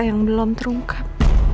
yang belum terungkap